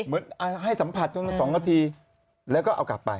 เหมือนให้สัมผัส๒นาทีแล้วก็เอากลับไป